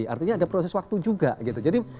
artinya ada proses waktu juga gitu